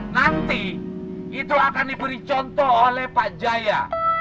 nanti itu akan diberi contoh oleh pak jaya